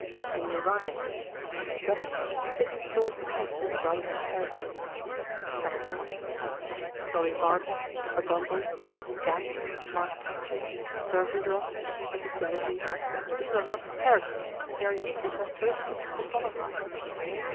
In Uriah Heap and Mrs. Gummidge, Dickens draws types rather than characters. Pecksniff, Podsnap, Dolly Varden, Mr. Bumble, Mrs. Gamp, Mark Tapley, Turveydrop, Mrs. Jellyby—these are not characters; they are human characteristics personified.